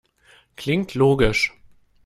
Klingt logisch.